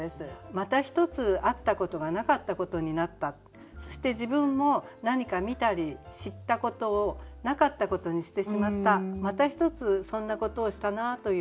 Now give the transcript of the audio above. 「またひとつあったことがなかったことになった」そして自分も何か見たり知ったことをなかったことにしてしまったまたひとつそんなことをしたなという。